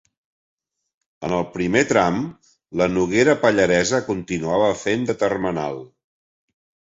En el primer tram, la Noguera Pallaresa continuava fent de termenal.